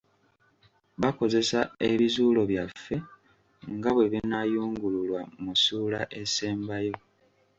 Bakozesa ebizuulo byaffe nga bwe binaayungululwa mu ssuula esembayo.